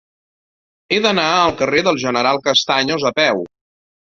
He d'anar al carrer del General Castaños a peu.